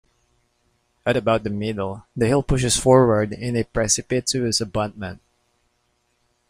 At about the middle, the hill pushes forward in a precipitous abutment.